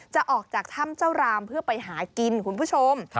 จะออกจากถ้ำเจ้ารามเพื่อไปหากินคุณผู้ชม